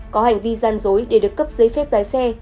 có hành vi gian dối để được cấp giấy phép lái xe